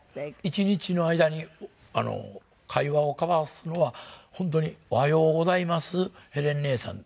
一日の間に会話を交わすのは本当に「おはようございますヘレン姉さん」